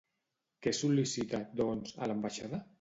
Què sol·licita, doncs, a l'ambaixada?